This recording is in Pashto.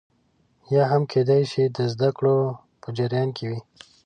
یا هم کېدای شي د زده کړو په جریان کې وي